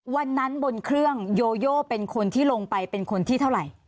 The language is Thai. บนเครื่องโยโยเป็นคนที่ลงไปเป็นคนที่เท่าไหร่